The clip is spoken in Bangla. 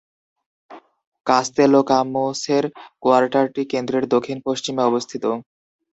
কাস্তেলোকামোসের কোয়ার্টারটি কেন্দ্রের দক্ষিণ-পশ্চিমে অবস্থিত।